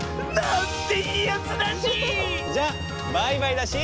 じゃバイバイだし！